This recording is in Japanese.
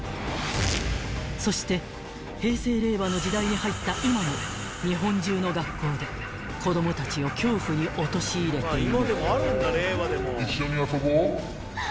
［そして平成令和の時代に入った今も日本中の学校で子供たちを恐怖に陥れている］